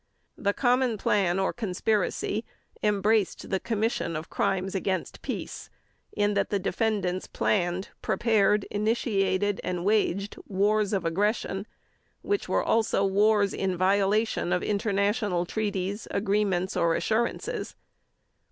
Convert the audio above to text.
The common plan or conspiracy embraced the commission of Crimes against Peace, in that the defendants planned, prepared, initiated, and waged wars of aggression, which were also wars in violation of international treaties, agreements, or assurances.